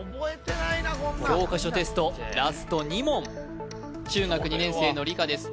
教科書テストラスト２問中学２年生の理科です